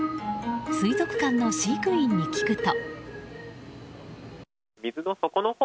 水族館の飼育員に聞くと。